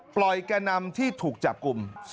๑ปล่อยแก่นำที่ถูกจับกลุ่ม